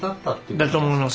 だと思います。